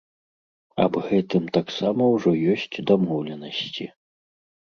Аб гэтым таксама ўжо ёсць дамоўленасці.